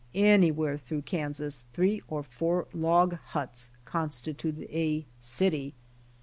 Anywhere through Kansas three or four log huts constituted a city.